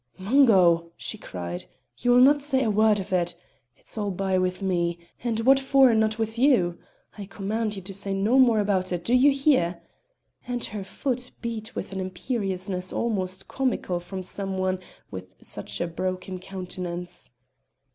"Mungo!" she cried, "you will not say a word of it. It is all bye with me, and what for not with you? I command you to say no more about it, do you hear?" And her foot beat with an imperiousness almost comical from one with such a broken countenance.